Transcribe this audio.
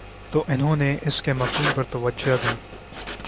تو انہوں نے اس کے مفہوم پر توجہ دی